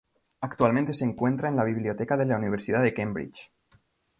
Actualmente se encuentra en la Biblioteca de la Universidad de Cambridge.